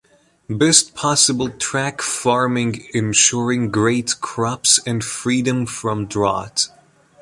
Best possible track farming insuring great crops and freedom from drought.